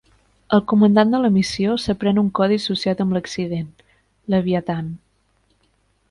El comandant de la missió s'aprèn un codi associat amb l'accident: Leviathan.